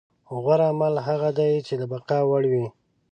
غوره عمل هغه دی چې د بقا وړ وي.